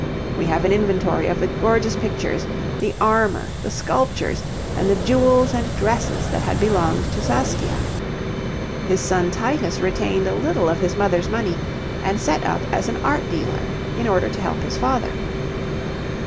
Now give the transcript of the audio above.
We have an inventory of the gorgeous pictures, the armour, the sculptures, and the jewels and dresses that had belonged to Saskia. His son Titus retained a little of his mother's money, and set up as an art dealer in order to help his father.